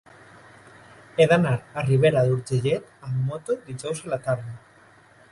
He d'anar a Ribera d'Urgellet amb moto dijous a la tarda.